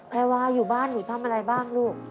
แพรวาอยู่บ้านหนูทำอะไรบ้างลูก